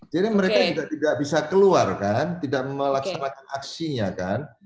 jadi mereka juga tidak bisa keluar kan tidak melaksanakan aksinya kan